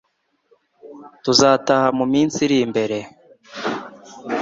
tuzataha mu minsi irimbere